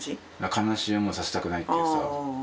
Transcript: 悲しい思いをさせたくないっていうさ。